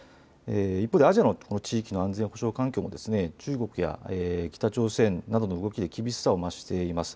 一方でアジアの地域の安全保障環境も中国や北朝鮮などの動きで厳しさを増しています。